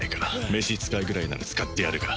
召使ぐらいなら使ってやるが。